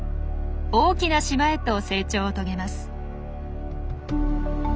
大きな島へと成長を遂げます。